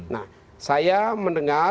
nah saya mendengar